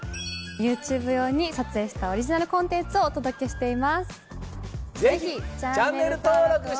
ＹｏｕＴｕｂｅ用に撮影したオリジナルコンテンツをお届けしています。